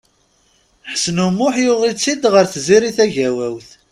Ḥsen U Muḥ yuɣ-itt-id ɣer Tiziri Tagawawt.